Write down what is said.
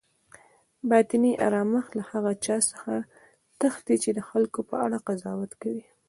باطني آرامښت له هغه چا څخه تښتي چی د خلکو په اړه قضاوت کوي